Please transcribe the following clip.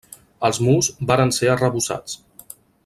Els murs varen ser arrebossats.